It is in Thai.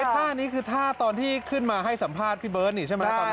ท่านี้คือท่าตอนที่ขึ้นมาให้สัมภาษณ์พี่เบิร์ตนี่ใช่ไหมตอนนั้น